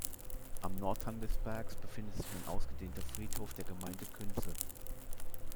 Am Nordhang des Bergs befindet sich ein ausgedehnter Friedhof der Gemeinde Künzell.